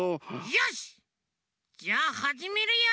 よしじゃあはじめるよ！